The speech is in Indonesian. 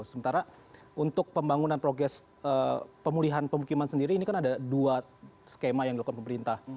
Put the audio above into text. sementara untuk pemulihan pemukiman sendiri ini kan ada dua skema yang dilakukan pemerintah